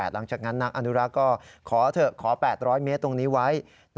หลังจากนั้นนักอนุรักษ์ก็ขอเถอะขอ๘๐๐เมตรตรงนี้ไว้